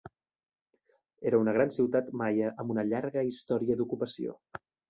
Era una gran ciutat maia amb una llarga història d'ocupació